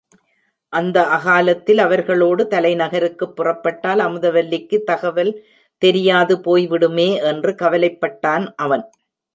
அந்த அகாலத்தில் அவர்களோடு தலைநகருக்குப் புறப்பட்டால் அமுதவல்லிக்குத் தகவல் தெரியாது போய்விடுமே என்று கவலைப்பட்டான் அவன்.